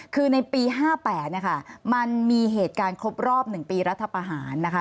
คือในปี๕๘นะคะมันมีเหตุการณ์ครบรอบ๑ปีรัฐภาษณ์นะคะ